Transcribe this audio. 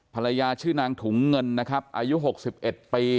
ภรรยาชื่อนางถุงเงินนะครับอายุ๖๑ปี